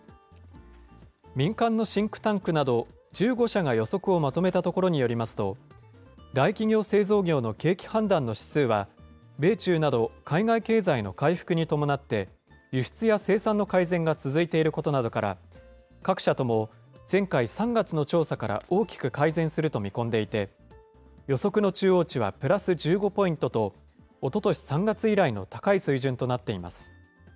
民間のシンクタンクなど１５社が予測をまとめたところによりますと、大企業製造業の景気判断の指数は、米中など海外経済の回復に伴って、輸出や生産の改善が続いていることなどから、各社とも、前回・３月の調査から大きく改善すると見込んでいて、予測の中央値はプラス１５ポイントと、おととし３月以来の高い水準となっています。